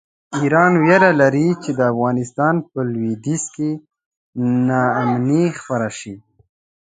ایران اندېښنه لري چې د افغانستان په لویدیځ کې ناامني خپره شي.